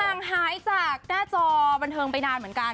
ห่างหายจากหน้าจอบันเทิงไปนานเหมือนกัน